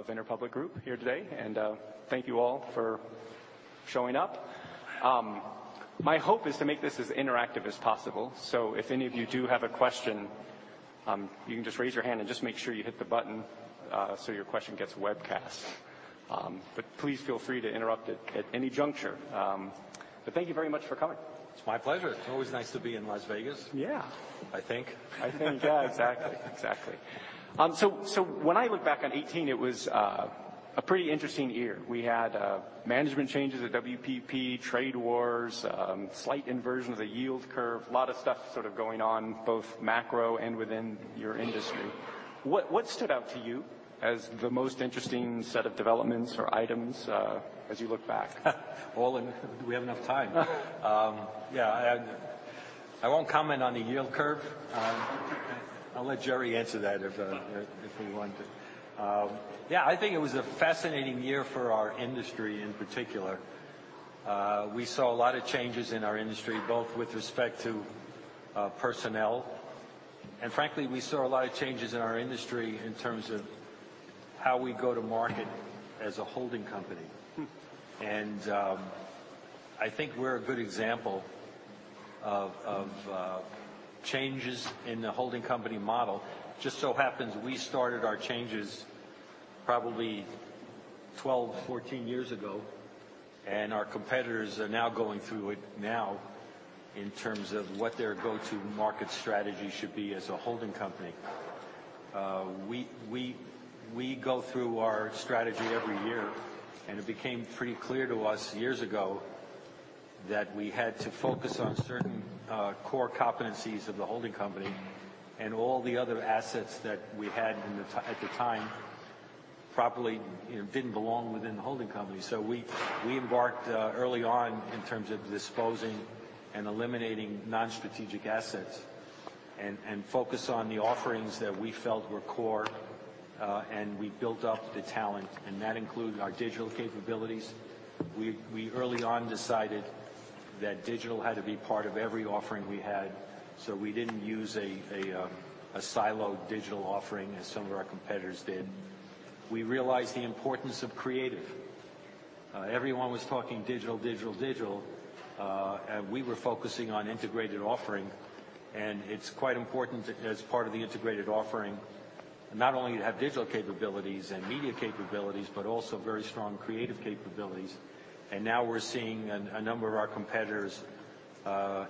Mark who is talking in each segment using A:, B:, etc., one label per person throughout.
A: CEO of Interpublic Group here today, and thank you all for showing up. My hope is to make this as interactive as possible, so if any of you do have a question, you can just raise your hand and just make sure you hit the button so your question gets webcast. But please feel free to interrupt at any juncture. But thank you very much for coming.
B: It's my pleasure. It's always nice to be in Las Vegas.
A: Yeah.
B: I think.
A: I think, yeah, exactly. Exactly. So when I look back on 2018, it was a pretty interesting year. We had management changes at WPP, trade wars, slight inversion of the yield curve, a lot of stuff sort of going on both macro and within your industry. What stood out to you as the most interesting set of developments or items as you look back?
B: We have enough time. Yeah, I won't comment on the yield curve. I'll let Jerry answer that if we want to. Yeah, I think it was a fascinating year for our industry in particular. We saw a lot of changes in our industry, both with respect to personnel, and frankly, we saw a lot of changes in our industry in terms of how we go to market as a holding company. I think we're a good example of changes in the holding company model. Just so happens we started our changes probably 12-14 years ago, and our competitors are now going through it now in terms of what their go-to-market strategy should be as a holding company. We go through our strategy every year, and it became pretty clear to us years ago that we had to focus on certain core competencies of the holding company and all the other assets that we had at the time properly didn't belong within the holding company. So we embarked early on in terms of disposing and eliminating non-strategic assets and focused on the offerings that we felt were core, and we built up the talent. And that included our digital capabilities. We early on decided that digital had to be part of every offering we had, so we didn't use a siloed digital offering as some of our competitors did. We realized the importance of creative. Everyone was talking digital, digital, digital, and we were focusing on integrated offering. It's quite important as part of the integrated offering not only to have digital capabilities and media capabilities, but also very strong creative capabilities. Now we're seeing a number of our competitors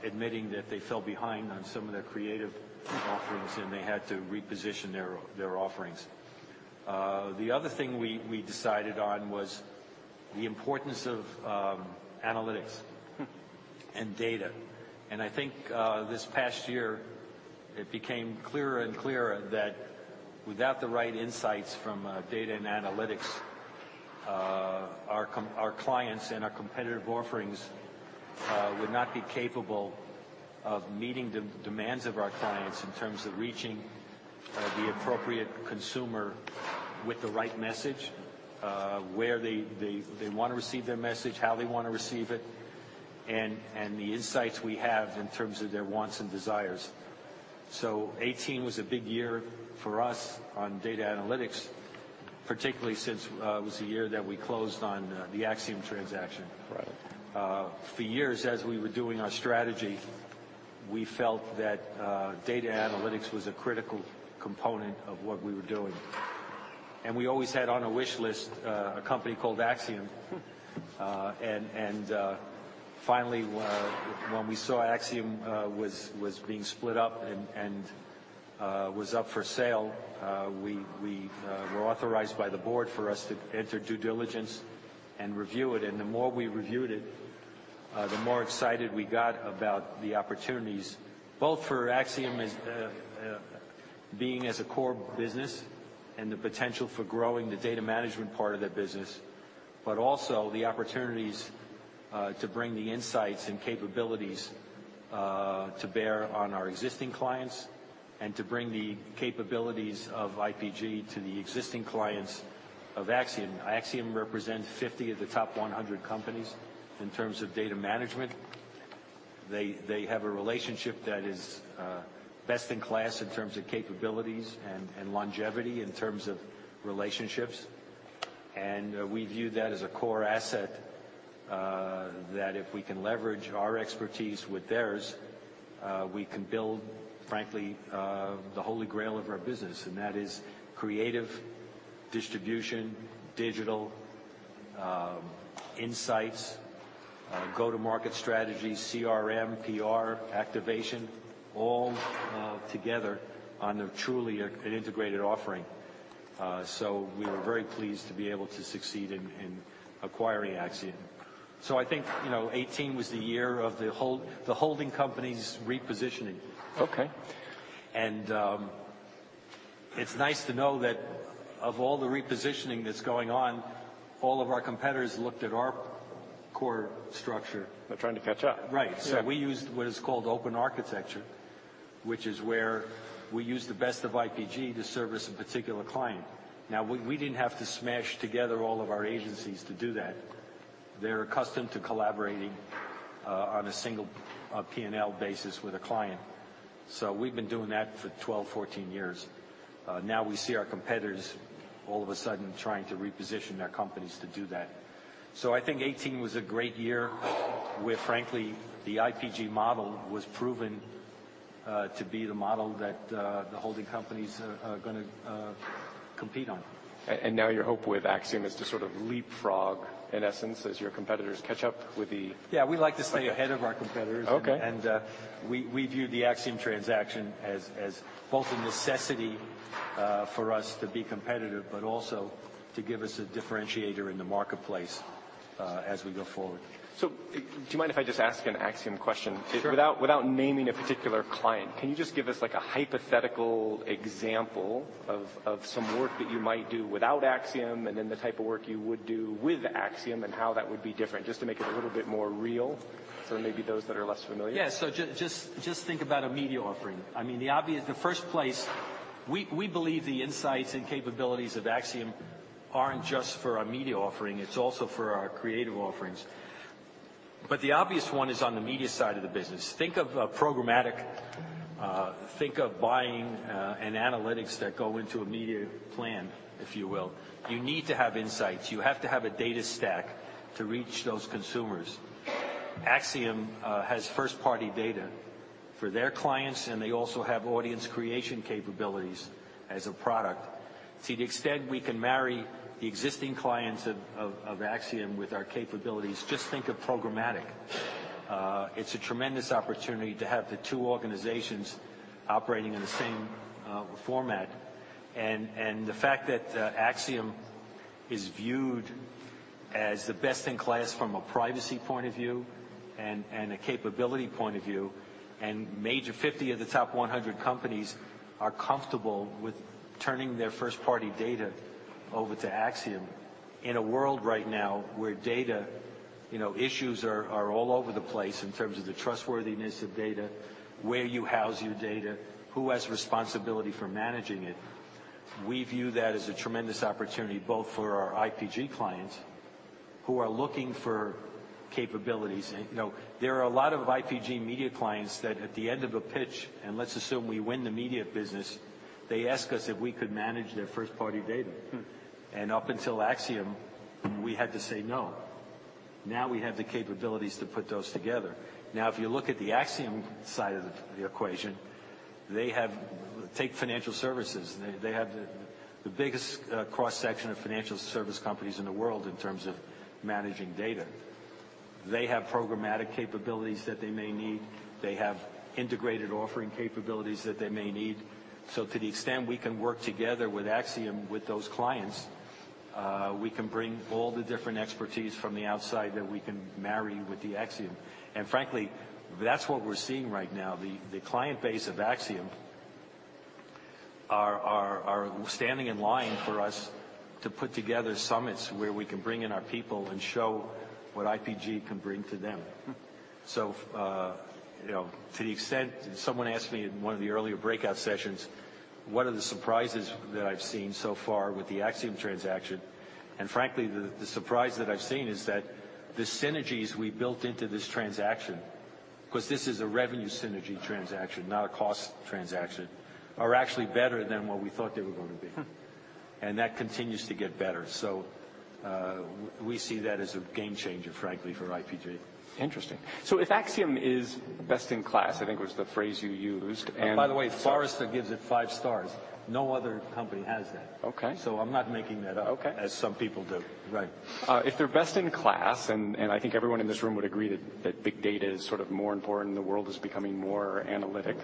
B: admitting that they fell behind on some of their creative offerings, and they had to reposition their offerings. The other thing we decided on was the importance of analytics and data. I think this past year it became clearer and clearer that without the right insights from data and analytics, our clients and our competitive offerings would not be capable of meeting the demands of our clients in terms of reaching the appropriate consumer with the right message, where they want to receive their message, how they want to receive it, and the insights we have in terms of their wants and desires. So 2018 was a big year for us on data analytics, particularly since it was the year that we closed on the Acxiom transaction. For years, as we were doing our strategy, we felt that data analytics was a critical component of what we were doing. And we always had on our wish list a company called Acxiom. And finally, when we saw Acxiom was being split up and was up for sale, we were authorized by the board for us to enter due diligence and review it. The more we reviewed it, the more excited we got about the opportunities, both for Acxiom being as a core business and the potential for growing the data management part of their business, but also the opportunities to bring the insights and capabilities to bear on our existing clients and to bring the capabilities of IPG to the existing clients of Acxiom. Acxiom represents 50 of the top 100 companies in terms of data management. They have a relationship that is best in class in terms of capabilities and longevity in terms of relationships. We view that as a core asset that if we can leverage our expertise with theirs, we can build, frankly, the holy grail of our business. That is creative, distribution, digital, insights, go-to-market strategies, CRM, PR, activation, all together on a truly integrated offering. So we were very pleased to be able to succeed in acquiring Acxiom. So I think 2018 was the year of the holding companies repositioning. And it's nice to know that of all the repositioning that's going on, all of our competitors looked at our core structure.
A: They're trying to catch up.
B: Right. So we used what is called open architecture, which is where we use the best of IPG to service a particular client. Now, we didn't have to smash together all of our agencies to do that. They're accustomed to collaborating on a single P&L basis with a client. So we've been doing that for 12-14 years. Now we see our competitors all of a sudden trying to reposition their companies to do that. So I think 2018 was a great year where, frankly, the IPG model was proven to be the model that the holding companies are going to compete on.
A: Now your hope with Acxiom is to sort of leapfrog, in essence, as your competitors catch up with the.
B: Yeah, we like to stay ahead of our competitors. And we view the Acxiom transaction as both a necessity for us to be competitive, but also to give us a differentiator in the marketplace as we go forward.
A: So do you mind if I just ask an Acxiom question?
B: Sure.
A: Without naming a particular client, can you just give us a hypothetical example of some work that you might do without Acxiom and then the type of work you would do with Acxiom and how that would be different, just to make it a little bit more real for maybe those that are less familiar?
B: Yeah. So just think about a media offering. I mean, the first place, we believe the insights and capabilities of Acxiom aren't just for our media offering. It's also for our creative offerings. But the obvious one is on the media side of the business. Think of a programmatic, think of buying and analytics that go into a media plan, if you will. You need to have insights. You have to have a data stack to reach those consumers. Acxiom has first-party data for their clients, and they also have audience creation capabilities as a product. To the extent we can marry the existing clients of Acxiom with our capabilities, just think of programmatic. It's a tremendous opportunity to have the two organizations operating in the same format. The fact that Acxiom is viewed as the best in class from a privacy point of view and a capability point of view, and majority of the top 100 companies are comfortable with turning their first-party data over to Acxiom in a world right now where data issues are all over the place in terms of the trustworthiness of data, where you house your data, who has responsibility for managing it. We view that as a tremendous opportunity both for our IPG clients who are looking for capabilities. There are a lot of IPG media clients that at the end of a pitch, and let's assume we win the media business, they ask us if we could manage their first-party data. Up until Acxiom, we had to say no. Now we have the capabilities to put those together. Now, if you look at the Acxiom side of the equation, they take financial services. They have the biggest cross-section of financial service companies in the world in terms of managing data. They have programmatic capabilities that they may need. They have integrated offering capabilities that they may need, so to the extent we can work together with Acxiom with those clients, we can bring all the different expertise from the outside that we can marry with the Acxiom. And frankly, that's what we're seeing right now. The client base of Acxiom are standing in line for us to put together summits where we can bring in our people and show what IPG can bring to them, so to the extent someone asked me in one of the earlier breakout sessions, what are the surprises that I've seen so far with the Acxiom transaction? And frankly, the surprise that I've seen is that the synergies we built into this transaction, because this is a revenue synergy transaction, not a cost transaction, are actually better than what we thought they were going to be. And that continues to get better. So we see that as a game changer, frankly, for IPG.
A: Interesting. So if Acxiom is best in class, I think was the phrase you used.
B: By the way, Forrester gives it five stars. No other company has that. I'm not making that up as some people do.
A: Right. If they're best in class, and I think everyone in this room would agree that big data is sort of more important, the world is becoming more analytic,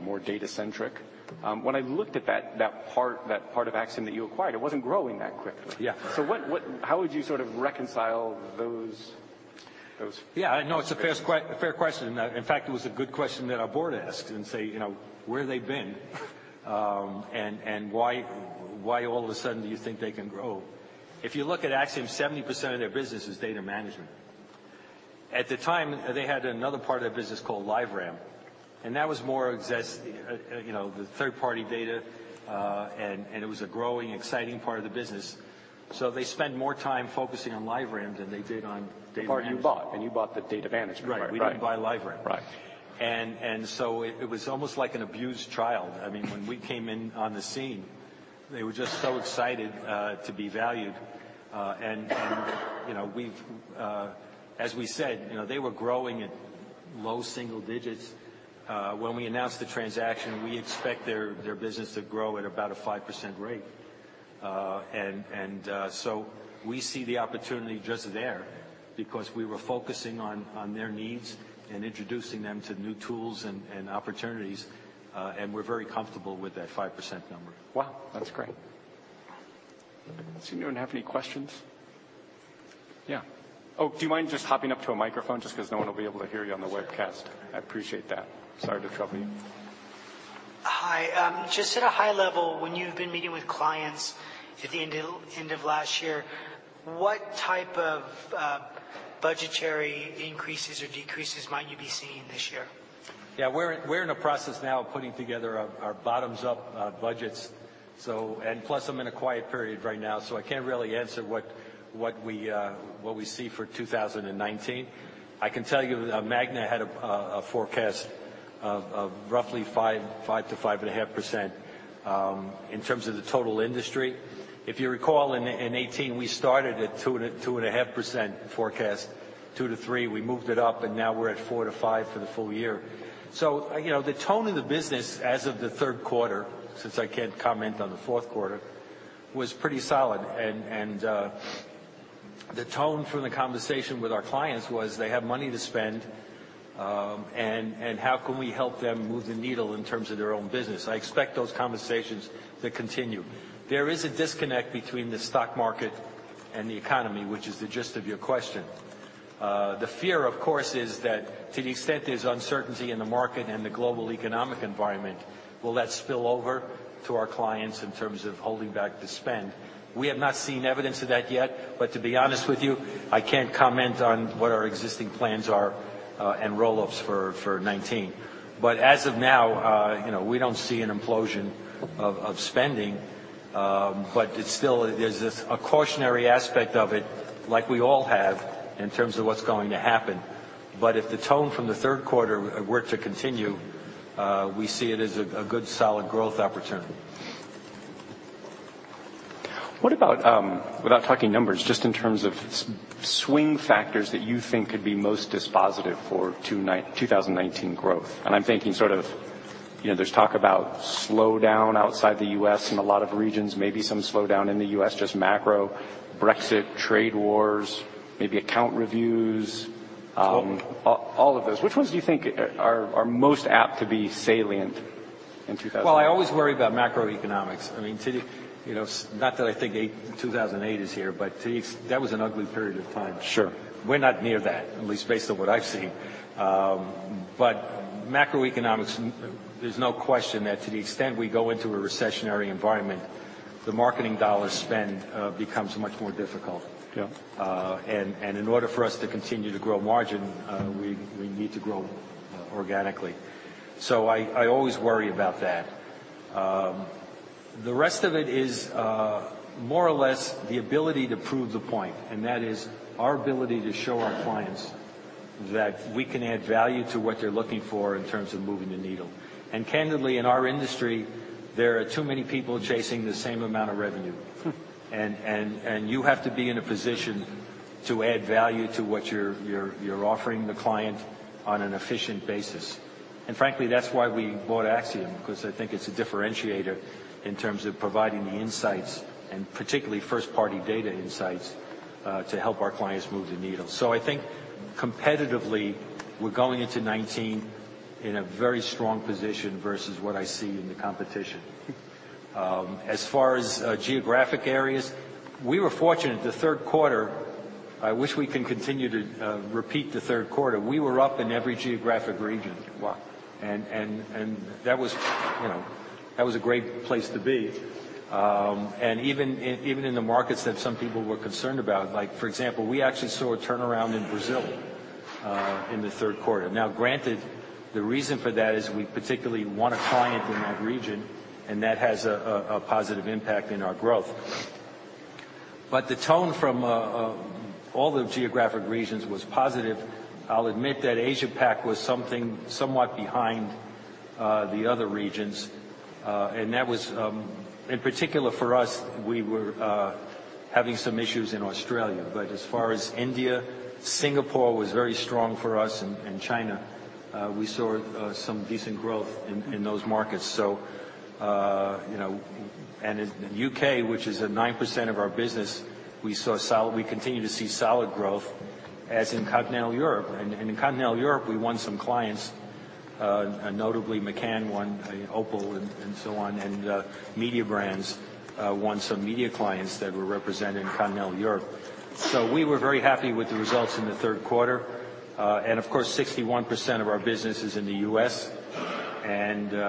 A: more data-centric. When I looked at that part of Acxiom that you acquired, it wasn't growing that quickly. So how would you sort of reconcile those?
B: Yeah, I know it's a fair question. In fact, it was a good question that our board asked and said, "Where have they been? And why all of a sudden do you think they can grow?" If you look at Acxiom, 70% of their business is data management. At the time, they had another part of their business called LiveRamp. And that was more the third-party data, and it was a growing, exciting part of the business. So they spent more time focusing on LiveRamp than they did on data management.
A: Acxiom you bought, and you bought the data management part.
B: Right. We didn't buy LiveRamp. And so it was almost like an abused child. I mean, when we came in on the scene, they were just so excited to be valued. And as we said, they were growing at low single digits. When we announced the transaction, we expect their business to grow at about a 5% rate. And so we see the opportunity just there because we were focusing on their needs and introducing them to new tools and opportunities. And we're very comfortable with that 5% number.
A: Wow. That's great. So you don't have any questions? Yeah. Oh, do you mind just hopping up to a microphone just because no one will be able to hear you on the webcast? I appreciate that. Sorry to trouble you. Hi. Just at a high level, when you've been meeting with clients at the end of last year, what type of budgetary increases or decreases might you be seeing this year?
B: Yeah. We're in the process now of putting together our bottoms-up budgets. And plus, I'm in a quiet period right now, so I can't really answer what we see for 2019. I can tell you Magna had a forecast of roughly 5%-5.5% in terms of the total industry. If you recall, in 2018, we started at 2.5% forecast, 2%-3%. We moved it up, and now we're at 4%-5% for the full-year. So the tone of the business as of the third quarter, since I can't comment on the fourth quarter, was pretty solid. And the tone from the conversation with our clients was they have money to spend, and how can we help them move the needle in terms of their own business? I expect those conversations to continue. There is a disconnect between the stock market and the economy, which is the gist of your question. The fear, of course, is that to the extent there's uncertainty in the market and the global economic environment, will that spill over to our clients in terms of holding back the spend? We have not seen evidence of that yet. But to be honest with you, I can't comment on what our existing plans are and roll-ups for 2019. But as of now, we don't see an implosion of spending, but there's a cautionary aspect of it, like we all have in terms of what's going to happen. But if the tone from the third quarter were to continue, we see it as a good solid growth opportunity.
A: Without talking numbers, just in terms of swing factors that you think could be most dispositive for 2019 growth, and I'm thinking sort of there's talk about slowdown outside the U.S. in a lot of regions, maybe some slowdown in the U.S., just macro, Brexit, trade wars, maybe account reviews, all of those. Which ones do you think are most apt to be salient in 2019?
B: Well, I always worry about macroeconomics. I mean, not that I think 2008 is here, but that was an ugly period of time. We're not near that, at least based on what I've seen. But macroeconomics, there's no question that to the extent we go into a recessionary environment, the marketing dollar spend becomes much more difficult. And in order for us to continue to grow margin, we need to grow organically. So I always worry about that. The rest of it is more or less the ability to prove the point. And that is our ability to show our clients that we can add value to what they're looking for in terms of moving the needle. And candidly, in our industry, there are too many people chasing the same amount of revenue. You have to be in a position to add value to what you're offering the client on an efficient basis. And frankly, that's why we bought Acxiom, because I think it's a differentiator in terms of providing the insights and particularly first-party data insights to help our clients move the needle. So I think competitively, we're going into 2019 in a very strong position versus what I see in the competition. As far as geographic areas, we were fortunate the third quarter, I wish we can continue to repeat the third quarter, we were up in every geographic region. And that was a great place to be. And even in the markets that some people were concerned about, like for example, we actually saw a turnaround in Brazil in the third quarter. Now, granted, the reason for that is we particularly won a client in that region, and that has a positive impact in our growth. But the tone from all the geographic regions was positive. I'll admit that Asia-Pac was somewhat behind the other regions. And that was, in particular, for us, we were having some issues in Australia. But as far as India, Singapore was very strong for us, and China, we saw some decent growth in those markets. And in the U.K., which is 9% of our business, we continue to see solid growth, as in Continental Europe. And in Continental Europe, we won some clients, notably McCann won Opel, and so on. And Mediabrands won some media clients that were represented in Continental Europe. So we were very happy with the results in the third quarter. Of course, 61% of our business is in the U.S.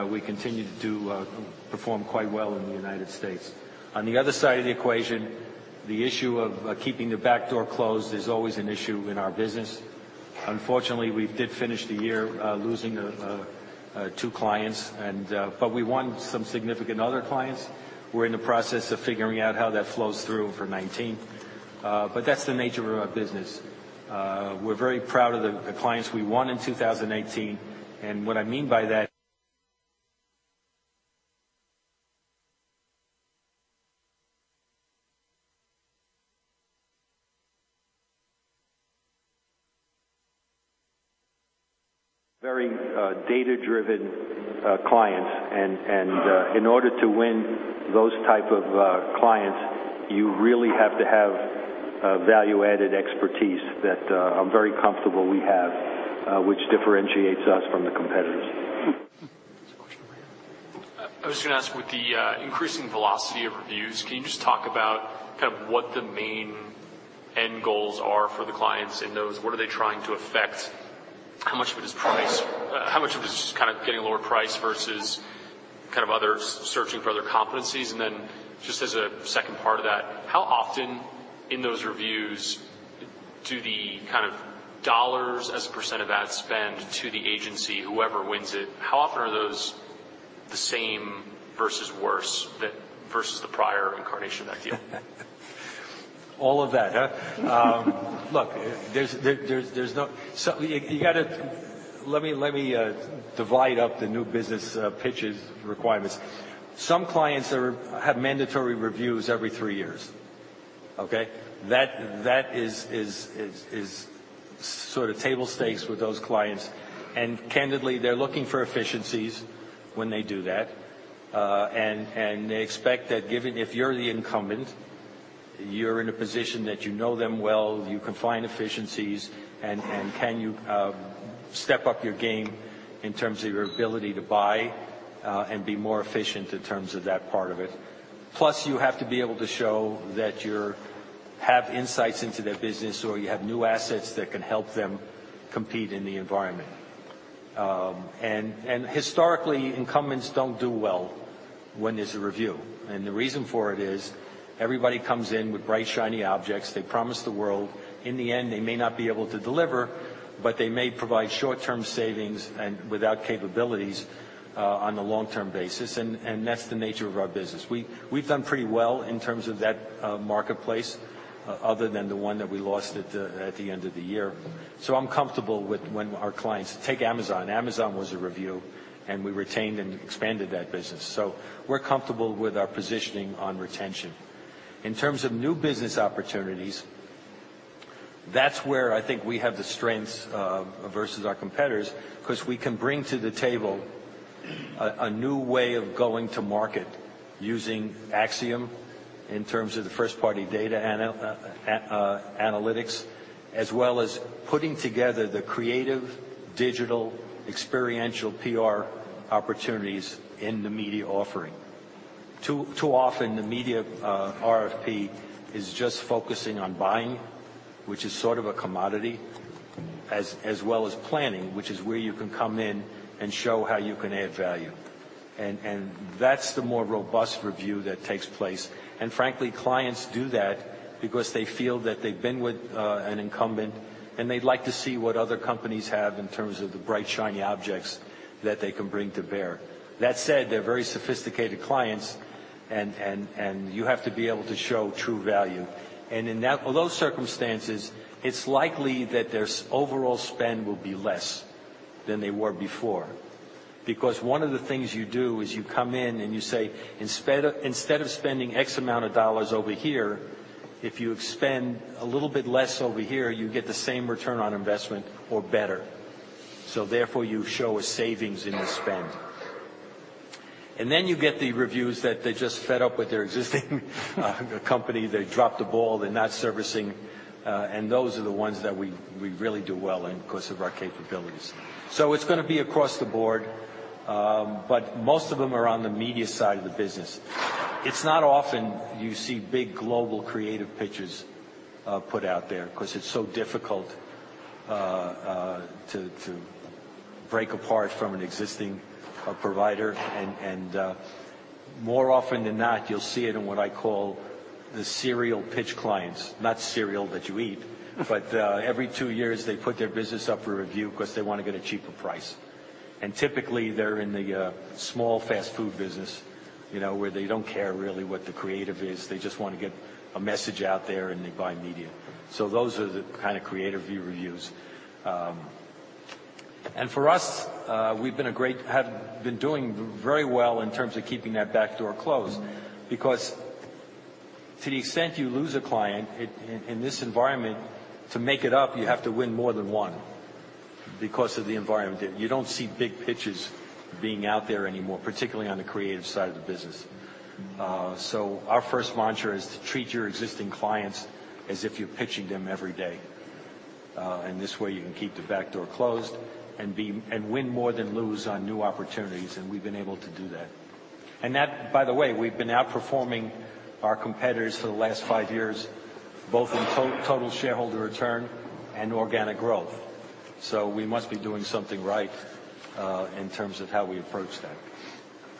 B: We continue to perform quite well in the United States. On the other side of the equation, the issue of keeping the back door closed is always an issue in our business. Unfortunately, we did finish the year losing two clients. We won some significant other clients. We're in the process of figuring out how that flows through for 2019. That's the nature of our business. We're very proud of the clients we won in 2018. What I mean by that. Very data-driven clients. In order to win those types of clients, you really have to have value-added expertise that I'm very comfortable we have, which differentiates us from the competitors.
A: I was going to ask, with the increasing velocity of reviews, can you just talk about kind of what the main end goals are for the clients in those? What are they trying to affect? How much of it is price? How much of it is kind of getting lower price versus kind of searching for other competencies? And then just as a second part of that, how often in those reviews do the kind of dollars as a percent of ad spend to the agency, whoever wins it, how often are those the same versus worse versus the prior incarnation of that deal?
B: All of that. Look, there's no, let me divide up the new business pitches requirements. Some clients have mandatory reviews every three years. Okay? That is sort of table stakes with those clients. And candidly, they're looking for efficiencies when they do that. And they expect that if you're the incumbent, you're in a position that you know them well, you can find efficiencies, and can you step up your game in terms of your ability to buy and be more efficient in terms of that part of it. Plus, you have to be able to show that you have insights into their business or you have new assets that can help them compete in the environment. And historically, incumbents don't do well when there's a review. And the reason for it is everybody comes in with bright, shiny objects. They promise the world. In the end, they may not be able to deliver, but they may provide short-term savings without capabilities on a long-term basis. And that's the nature of our business. We've done pretty well in terms of that marketplace other than the one that we lost at the end of the year. So I'm comfortable with when our clients. Take Amazon. Amazon was a review, and we retained and expanded that business. So we're comfortable with our positioning on retention. In terms of new business opportunities, that's where I think we have the strengths versus our competitors because we can bring to the table a new way of going to market using Acxiom in terms of the first-party data analytics, as well as putting together the creative, digital, experiential PR opportunities in the media offering. Too often, the media RFP is just focusing on buying, which is sort of a commodity, as well as planning, which is where you can come in and show how you can add value. And that's the more robust review that takes place. And frankly, clients do that because they feel that they've been with an incumbent, and they'd like to see what other companies have in terms of the bright, shiny objects that they can bring to bear. That said, they're very sophisticated clients, and you have to be able to show true value. And in those circumstances, it's likely that their overall spend will be less than they were before. Because one of the things you do is you come in and you say, "Instead of spending X amount of dollars over here, if you expend a little bit less over here, you get the same return on investment or better." So therefore, you show a savings in the spend. And then you get the reviews that they're just fed up with their existing company. They dropped the ball. They're not servicing. And those are the ones that we really do well in because of our capabilities. So it's going to be across the board, but most of them are on the media side of the business. It's not often you see big global creative pitches put out there because it's so difficult to break apart from an existing provider. And more often than not, you'll see it in what I call the serial pitch clients. Not cereal that you eat, but every two years, they put their business up for review because they want to get a cheaper price. And typically, they're in the small fast food business where they don't care really what the creative is. They just want to get a message out there, and they buy media. So those are the kind of creative reviews. And for us, we've been doing very well in terms of keeping that back door closed because to the extent you lose a client in this environment, to make it up, you have to win more than one because of the environment. You don't see big pitches being out there anymore, particularly on the creative side of the business. So our first mantra is to treat your existing clients as if you're pitching them every day. And this way, you can keep the back door closed and win more than lose on new opportunities. And we've been able to do that. And by the way, we've been outperforming our competitors for the last five years, both in total shareholder return and organic growth. So we must be doing something right in terms of how we approach that.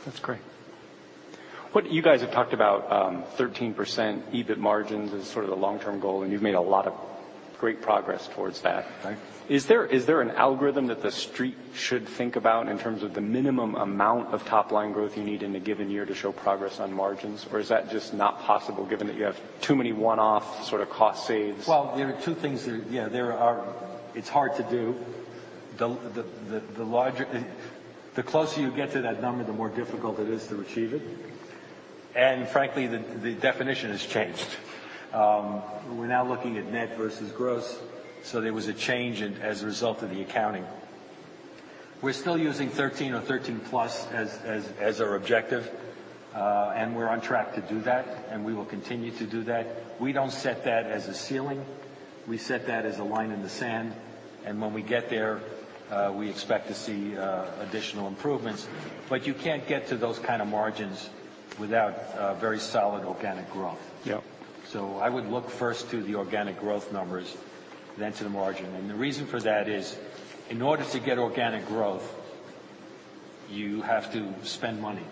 A: That's great. You guys have talked about 13% EBIT margins as sort of the long-term goal, and you've made a lot of great progress towards that. Is there an algorithm that the Street should think about in terms of the minimum amount of top-line growth you need in a given year to show progress on margins? Or is that just not possible given that you have too many one-off sort of cost saves?
B: There are two things there. Yeah, it's hard to do. The closer you get to that number, the more difficult it is to achieve it. And frankly, the definition has changed. We're now looking at net versus gross. So there was a change as a result of the accounting. We're still using 13 or 13+ as our objective, and we're on track to do that, and we will continue to do that. We don't set that as a ceiling. We set that as a line in the sand. And when we get there, we expect to see additional improvements. But you can't get to those kind of margins without very solid organic growth. So I would look first to the organic growth numbers, then to the margin. And the reason for that is in order to get organic growth, you have to spend money.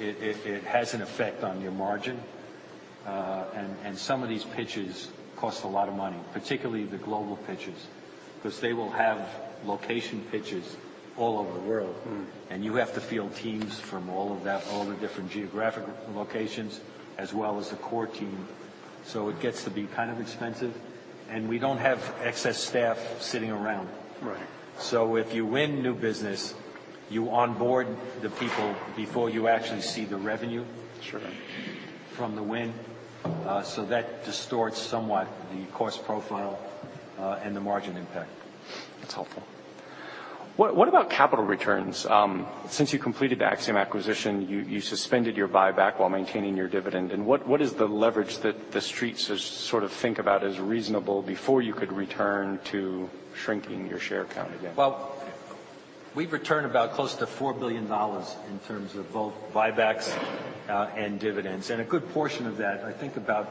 B: It has an effect on your margin. Some of these pitches cost a lot of money, particularly the global pitches, because they will have location pitches all over the world. You have to field teams from all the different geographic locations as well as the core team. It gets to be kind of expensive. We don't have excess staff sitting around. If you win new business, you onboard the people before you actually see the revenue from the win. That distorts somewhat the cost profile and the margin impact.
A: That's helpful. What about capital returns? Since you completed the Acxiom acquisition, you suspended your buyback while maintaining your dividend. And what is the leverage that the Street sort of think about as reasonable before you could return to shrinking your share count again?
B: We've returned about close to $4 billion in terms of both buybacks and dividends. A good portion of that, I think about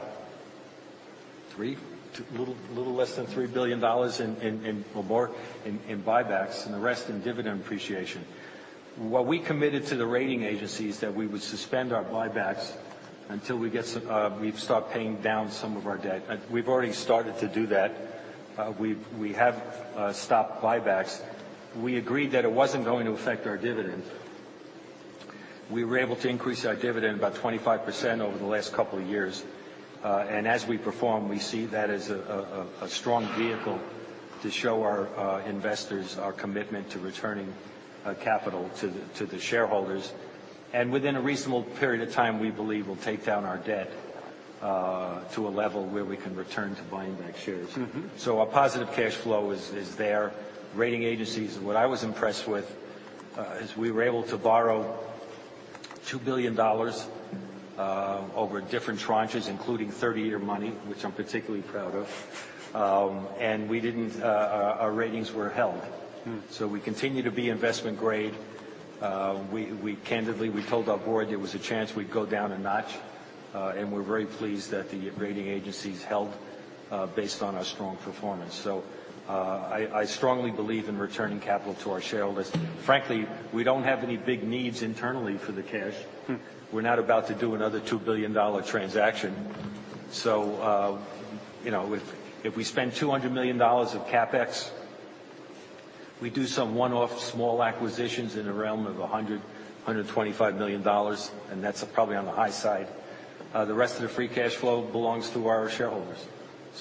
B: a little less than $3 billion or more in buybacks and the rest in dividend appreciation. What we committed to the rating agencies is that we would suspend our buybacks until we start paying down some of our debt. We've already started to do that. We have stopped buybacks. We agreed that it wasn't going to affect our dividend. We were able to increase our dividend by 25% over the last couple of years. As we perform, we see that as a strong vehicle to show our investors our commitment to returning capital to the shareholders. Within a reasonable period of time, we believe we'll take down our debt to a level where we can return to buying back shares. Our positive cash flow is there. Rating agencies, what I was impressed with is we were able to borrow $2 billion over different tranches, including 30-year money, which I'm particularly proud of. Our ratings were held. We continue to be investment grade. Candidly, we told our board there was a chance we'd go down a notch. We're very pleased that the rating agencies held based on our strong performance. I strongly believe in returning capital to our shareholders. Frankly, we don't have any big needs internally for the cash. We're not about to do another $2 billion transaction. If we spend $200 million of CapEx, we do some one-off small acquisitions in the realm of $100 million-$125 million, and that's probably on the high side. The rest of the free cash flow belongs to our shareholders.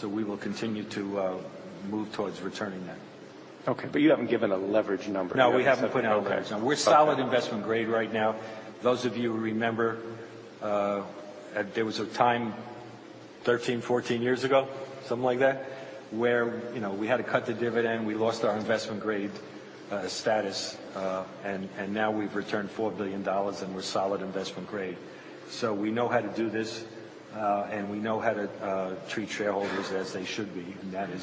B: We will continue to move towards returning that.
A: Okay. But you haven't given a leverage number yet.
B: No, we haven't put out a leverage number. We're solid investment grade right now. Those of you who remember, there was a time 13, 14 years ago, something like that, where we had to cut the dividend. We lost our investment grade status, and now we've returned $4 billion, and we're solid investment grade. So we know how to do this, and we know how to treat shareholders as they should be, and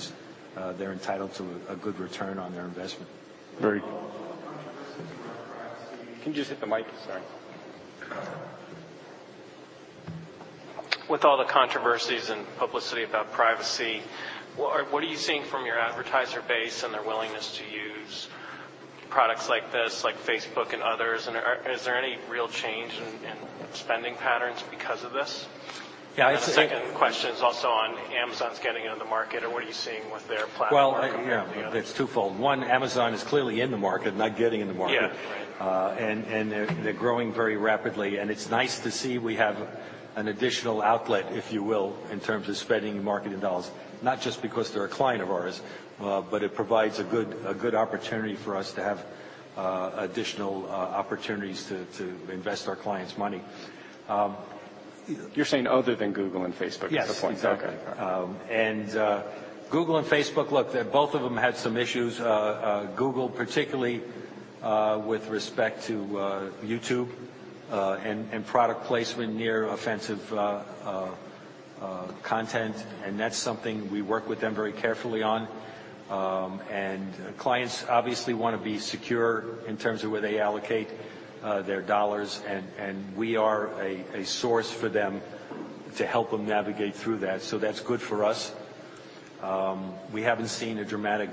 B: they're entitled to a good return on their investment.
A: Very cool. Can you just hit the mic? Sorry. With all the controversies and publicity about privacy, what are you seeing from your advertiser base and their willingness to use products like this, like Facebook and others? And is there any real change in spending patterns because of this?
B: Yeah. The second question is also on Amazon's getting into the market, or what are you seeing with their platform? Yeah, it's twofold. One, Amazon is clearly in the market, not getting in the market. And they're growing very rapidly. And it's nice to see we have an additional outlet, if you will, in terms of spending marketing dollars, not just because they're a client of ours, but it provides a good opportunity for us to have additional opportunities to invest our clients' money.
A: You're saying other than Google and Facebook is the point.
B: Yes, exactly. And Google and Facebook, look, both of them had some issues. Google particularly with respect to YouTube and product placement near offensive content. And that's something we work with them very carefully on. And clients obviously want to be secure in terms of where they allocate their dollars. And we are a source for them to help them navigate through that. So that's good for us. We haven't seen a dramatic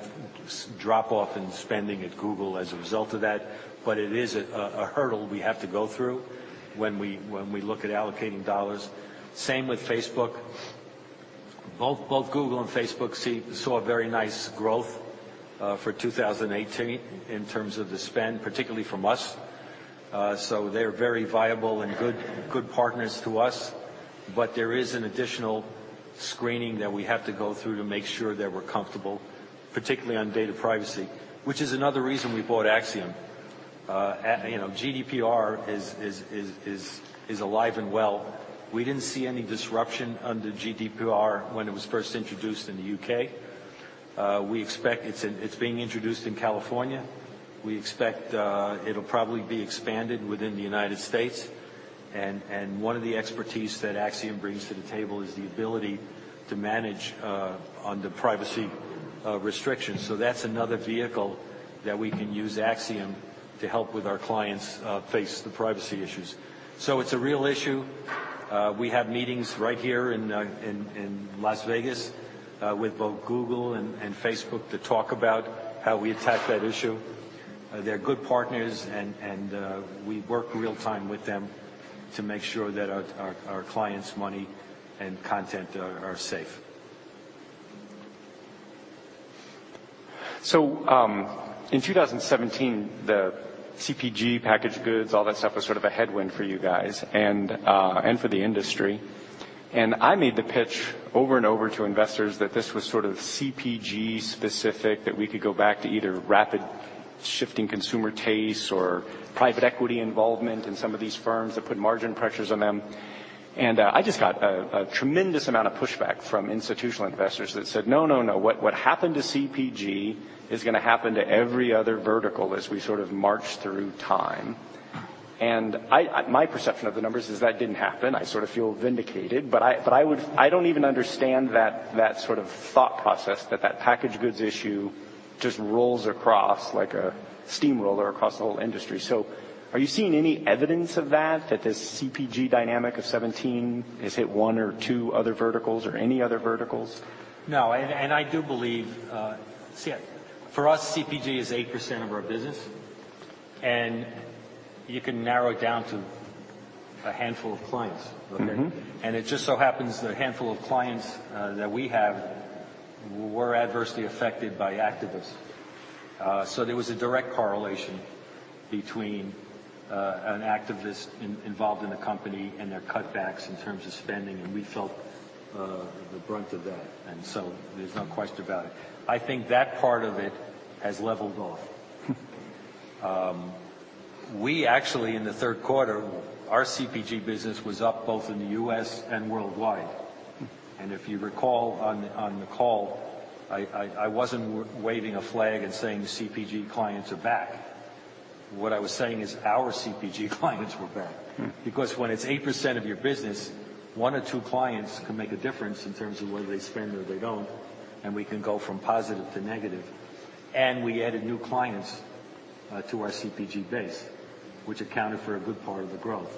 B: drop-off in spending at Google as a result of that, but it is a hurdle we have to go through when we look at allocating dollars. Same with Facebook. Both Google and Facebook saw very nice growth for 2018 in terms of the spend, particularly from us. So they're very viable and good partners to us. But there is an additional screening that we have to go through to make sure that we're comfortable, particularly on data privacy, which is another reason we bought Acxiom. GDPR is alive and well. We didn't see any disruption under GDPR when it was first introduced in the U.K. We expect it's being introduced in California. We expect it'll probably be expanded within the United States. And one of the expertise that Acxiom brings to the table is the ability to manage on the privacy restrictions. So that's another vehicle that we can use Acxiom to help with our clients face the privacy issues. So it's a real issue. We have meetings right here in Las Vegas with both Google and Facebook to talk about how we attack that issue. They're good partners, and we work real-time with them to make sure that our clients' money and content are safe.
A: So in 2017, the CPG packaged goods, all that stuff was sort of a headwind for you guys and for the industry. And I made the pitch over and over to investors that this was sort of CPG-specific, that we could go back to either rapid shifting consumer tastes or private equity involvement in some of these firms that put margin pressures on them. And I just got a tremendous amount of pushback from institutional investors that said, "No, no, no. What happened to CPG is going to happen to every other vertical as we sort of march through time." And my perception of the numbers is that didn't happen. I sort of feel vindicated. But I don't even understand that sort of thought process that packaged goods issue just rolls across like a steamroller across the whole industry. So, are you seeing any evidence of that, that this CPG dynamic of 2017 has hit one or two other verticals or any other verticals?
B: No. And I do believe for us, CPG is 8% of our business. And you can narrow it down to a handful of clients. And it just so happens the handful of clients that we have were adversely affected by activists. So there was a direct correlation between an activist involved in the company and their cutbacks in terms of spending. And we felt the brunt of that. And so there's no question about it. I think that part of it has leveled off. We actually, in the third quarter, our CPG business was up both in the U.S. and worldwide. And if you recall on the call, I wasn't waving a flag and saying CPG clients are back. What I was saying is our CPG clients were back. Because when it's 8% of your business, one or two clients can make a difference in terms of whether they spend or they don't. And we can go from positive to negative. And we added new clients to our CPG base, which accounted for a good part of the growth.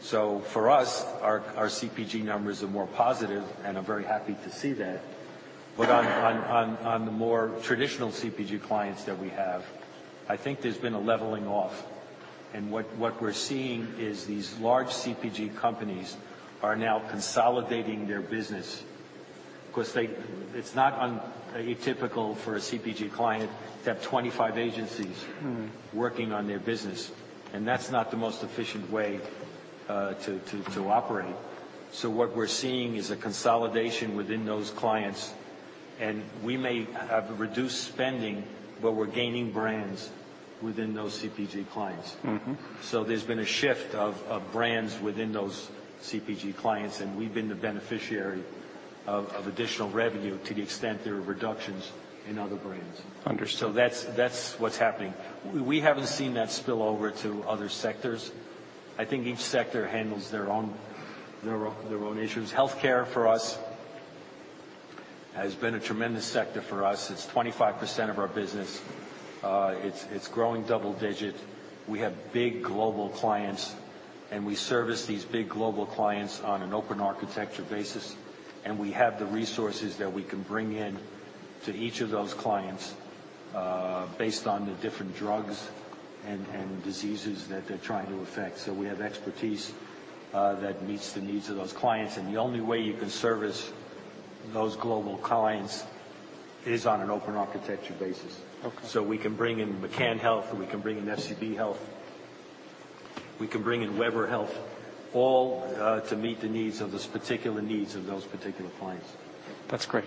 B: So for us, our CPG numbers are more positive, and I'm very happy to see that. But on the more traditional CPG clients that we have, I think there's been a leveling off. And what we're seeing is these large CPG companies are now consolidating their business. Because it's not atypical for a CPG client to have 25 agencies working on their business. And that's not the most efficient way to operate. So what we're seeing is a consolidation within those clients. And we may have reduced spending, but we're gaining brands within those CPG clients. So there's been a shift of brands within those CPG clients. And we've been the beneficiary of additional revenue to the extent there are reductions in other brands. So that's what's happening. We haven't seen that spill over to other sectors. I think each sector handles their own issues. Healthcare for us has been a tremendous sector for us. It's 25% of our business. It's growing double-digit. We have big global clients. And we service these big global clients on an open architecture basis. And we have the resources that we can bring in to each of those clients based on the different drugs and diseases that they're trying to affect. So we have expertise that meets the needs of those clients. And the only way you can service those global clients is on an open architecture basis. So we can bring in McCann Health. We can bring in FCB Health. We can bring in Weber Health, all to meet the needs of those particular clients.
A: That's great.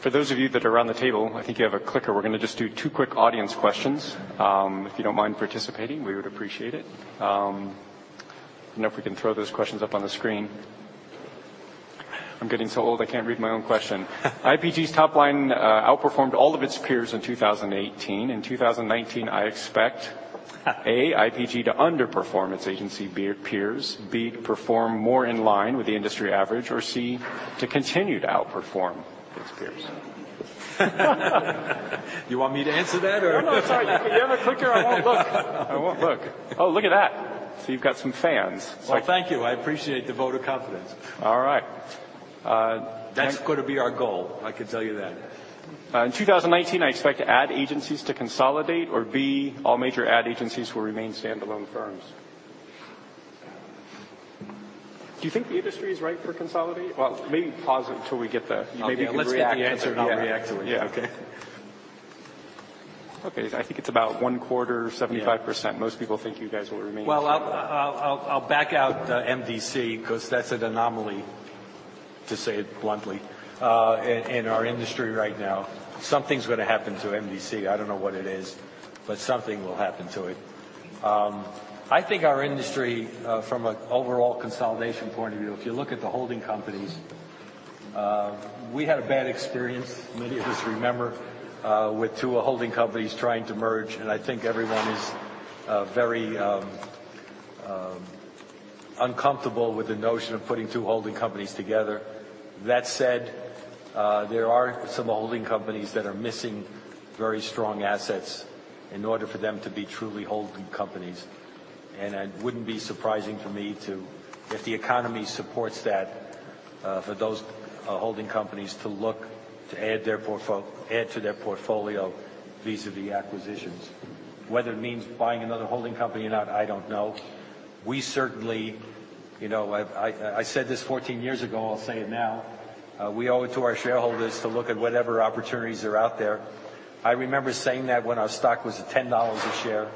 A: For those of you that are around the table, I think you have a clicker. We're going to just do two quick audience questions. If you don't mind participating, we would appreciate it. I don't know if we can throw those questions up on the screen. I'm getting so old I can't read my own question. IPG's top line outperformed all of its peers in 2018. In 2019, I expect A, IPG to underperform its agency peers, B, to perform more in line with the industry average, or C, to continue to outperform its peers?
B: You want me to answer that or?
A: No, no, sorry. You have a clicker. I won't look. I won't look. Oh, look at that. So you've got some fans.
B: Thank you. I appreciate the vote of confidence.
A: All right.
B: That's going to be our goal. I can tell you that.
A: In 2019, I expect ad agencies to consolidate, or B, all major ad agencies will remain standalone firms. Do you think the industry is ripe for consolidation? Well, maybe pause until we get the.
B: Let's react to it.
A: Answer and I'll react to it.
B: Yeah.
A: I think it's about one quarter, 75%. Most people think you guys will remain.
B: I'll back out MDC because that's an anomaly, to say it bluntly, in our industry right now. Something's going to happen to MDC. I don't know what it is, but something will happen to it. I think our industry, from an overall consolidation point of view, if you look at the holding companies, we had a bad experience, many of us remember, with two holding companies trying to merge. And I think everyone is very uncomfortable with the notion of putting two holding companies together. That said, there are some holding companies that are missing very strong assets in order for them to be truly holding companies. And it wouldn't be surprising to me if the economy supports that for those holding companies to look to add to their portfolio vis-à-vis acquisitions. Whether it means buying another holding company or not, I don't know. We certainly. I said this 14 years ago. I'll say it now. We owe it to our shareholders to look at whatever opportunities are out there. I remember saying that when our stock was $10 a share.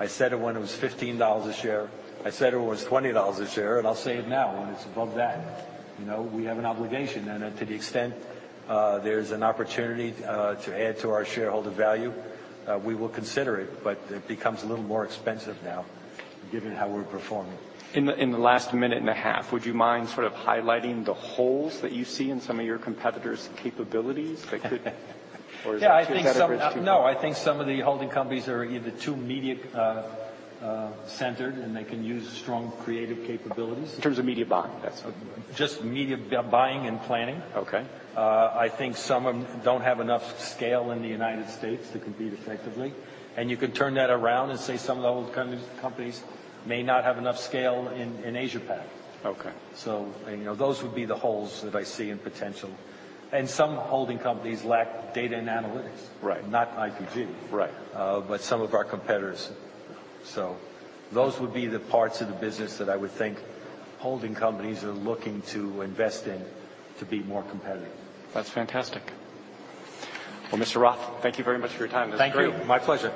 B: I said it when it was $15 a share. I said it when it was $20 a share, and I'll say it now. When it's above that, we have an obligation, and to the extent there's an opportunity to add to our shareholder value, we will consider it, but it becomes a little more expensive now, given how we're performing.
A: In the last minute and a half, would you mind sort of highlighting the holes that you see in some of your competitors' capabilities that could?
B: Yeah. I think some of.
A: Being that.
B: No, I think some of the holding companies are either too media-centered, and they can use strong creative capabilities.
A: In terms of media buying, that's what you mean?
B: Just media buying and planning. I think some of them don't have enough scale in the United States to compete effectively. And you can turn that around and say some of the old companies may not have enough scale in Asia-Pac. So those would be the holes that I see in potential. And some holding companies lack data and analytics, not IPG, but some of our competitors. So those would be the parts of the business that I would think holding companies are looking to invest in to be more competitive.
A: That's fantastic. Well, Mr. Roth, thank you very much for your time. This is great.
B: Thank you. My pleasure.